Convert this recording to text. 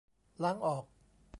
ล้างออก